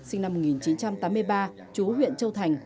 sinh năm một nghìn chín trăm tám mươi ba chú huyện châu thành